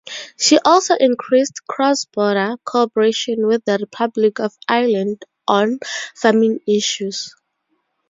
She also increased cross-border co-operation with the Republic of Ireland on farming issues.